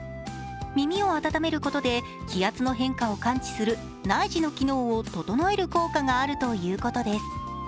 耳を温めることで気圧の変化を感知する内耳の機能を整える効果があるということです。